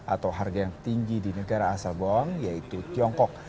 atau harga yang tinggi di negara asal bawang yaitu tiongkok